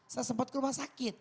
saya sempat ke rumah sakit